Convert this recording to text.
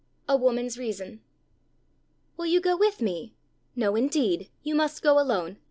X A WOMAN'S REASON "Will you go with me?" '"No, indeed; you must go alone.